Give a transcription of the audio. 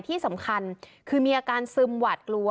ที่สำคัญคือมีอาการซึมหวาดกลัว